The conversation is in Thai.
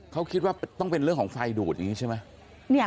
เขาคิดว่าต้องเป็นเรื่องของไฟดูดอย่างนี้ใช่ไหม